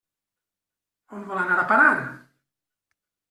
On vol anar a parar?